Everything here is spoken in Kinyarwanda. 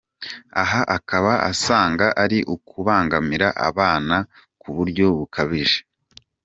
Aha akaba asanga ari ukubangamira abana ku buryo bukabije.